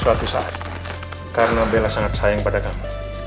suatu saat karena bella sangat sayang pada kamu